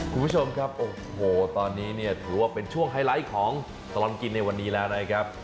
คุณผู้ชมครับโอ้โหตอนนี้เนี่ยถือว่าเป็นช่วงไฮไลท์ของตลอดกินในวันนี้แล้วนะครับ